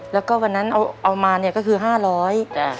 แล้วก็วันนั้นเอามาเนี่ยก็คือ๕๐๐บาท